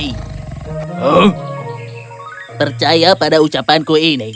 percaya pada ucapanku ini